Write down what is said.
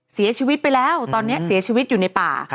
เสียชีวิตไปแล้วตอนนี้เสียชีวิตอยู่ในป่า